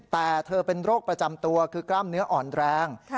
แต่เธอเป็นโรคประจำตัวคือกล้ามเนื้ออ่อนแรง